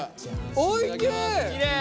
おいしい！